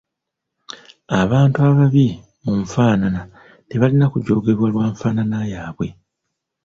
Abantu ababi mu nfaanana tebalina kujoogebwa lwa nfaanana yaabwe.